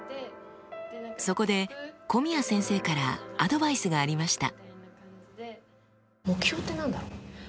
そこで古宮先生からアドバイスがありました。